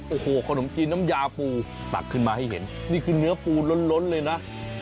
โอ้โหขนมจีนน้ำยาปูตักขึ้นมาให้เห็นนี่คือเนื้อปูล้นเลยนะ